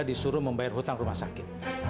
disuruh membayar hutang rumah sakit